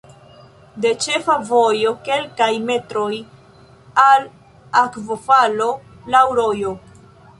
De ĉefa vojo kelkaj metroj al akvofalo laŭ rojo.